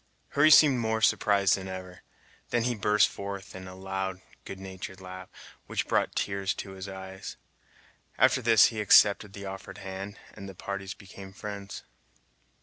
Hurry seemed more surprised than ever; then he burst forth in a loud, good natured laugh, which brought tears to his eyes. After this he accepted the offered hand, and the parties became friends.